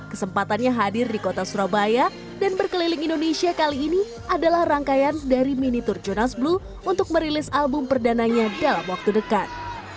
kesempatannya hadir di kota surabaya dan berkeliling indonesia kali ini adalah rangkaian dari mini tour jonas blue untuk merilis album perdananya dalam waktu dekat